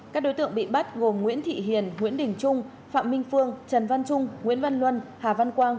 các đối tượng bị bắt gồm nguyễn thị hiền nguyễn đình trung phạm minh phương trần văn trung nguyễn văn luân hà văn quang